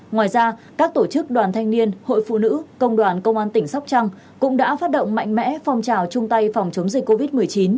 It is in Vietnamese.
ngoài ra các tổ chức đoàn thanh niên hội phụ nữ công đoàn công an tỉnh sóc trăng cũng đã phát động mạnh mẽ phong trào chung tay phòng chống dịch covid một mươi chín